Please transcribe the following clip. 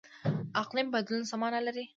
اقلیم بدلون څه مانا لري؟